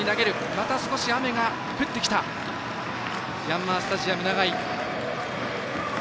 また少し雨が降ってきたヤンマースタジアム長居。